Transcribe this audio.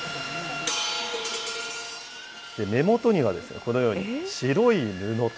目元にはこのように白い布。